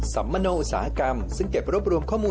สำมโนอุตสาหกรรม